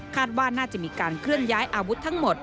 ว่าน่าจะมีการเคลื่อนย้ายอาวุธทั้งหมด